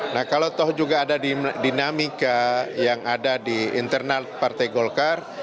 nah kalau toh juga ada di dinamika yang ada di internal partai golkar